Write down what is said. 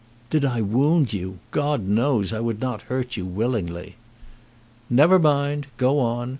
"Did I wound you? God knows I would not hurt you willingly." "Never mind. Go on.